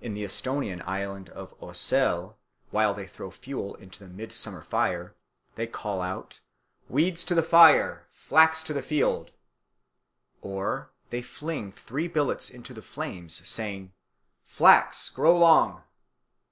In the Esthonian island of Oesel, while they throw fuel into the midsummer fire, they call out, "Weeds to the fire, flax to the field," or they fling three billets into the flames, saying, "Flax grow long!"